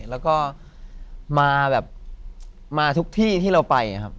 แล้วก็มาแบบมาทุกที่ที่เราไปครับ